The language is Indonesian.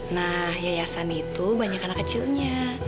nah yayasan itu banyak anak kecilnya